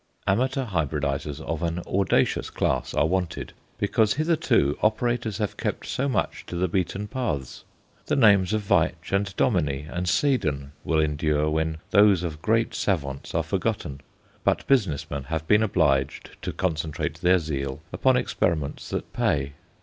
Amateur hybridizers of an audacious class are wanted because, hitherto, operators have kept so much to the beaten paths. The names of Veitch and Dominy and Seden will endure when those of great savants are forgotten; but business men have been obliged to concentrate their zeal upon experiments that pay.